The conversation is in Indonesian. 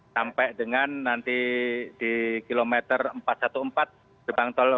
sampai dengan nanti di kilometer empat ratus empat belas gerbang tol